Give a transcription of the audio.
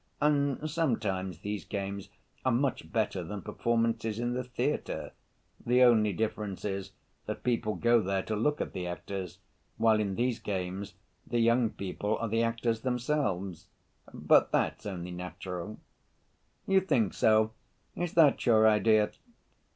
And sometimes these games are much better than performances in the theater, the only difference is that people go there to look at the actors, while in these games the young people are the actors themselves. But that's only natural." "You think so? Is that your idea?"